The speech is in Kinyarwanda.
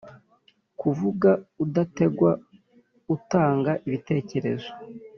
Kuvuga udategwa utanga ibitekerezo